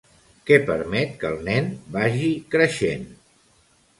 Què permet que el nen vagi creixent?